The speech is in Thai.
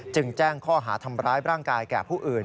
แจ้งข้อหาทำร้ายร่างกายแก่ผู้อื่น